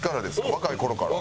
若い頃から。